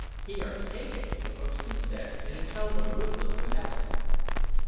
"Here, take it," the postman said in a tone of ruthless finality.